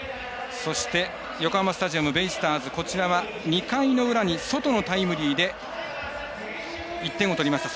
そして、横浜スタジアムベイスターズ、こちらは２回の裏にソトのタイムリーで１点を取りました。